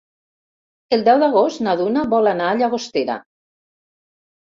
El deu d'agost na Duna vol anar a Llagostera.